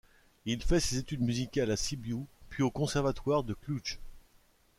Il fait ses études musicales à Sibiu puis au conservatoire de Cluj.